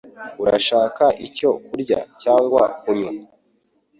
Urashaka icyo kurya cyangwa kunywa?